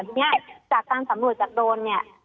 ทีนี้จากการสำรวจจากโดรนเนี่ย